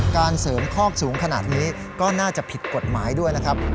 การเสริมคอกสูงขนาดนี้ก็น่าจะผิดกฎหมายด้วยนะครับ